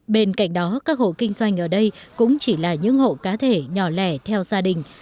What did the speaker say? bên cạnh đó các hộ kinh doanh ở đây cũng chỉ là những hộ cá thể nhỏ lẻ theo gia đình